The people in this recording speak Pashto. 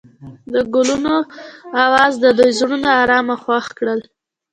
د ګلونه اواز د دوی زړونه ارامه او خوښ کړل.